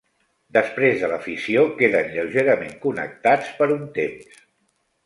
Després de la fissió queden lleugerament connectats per un temps.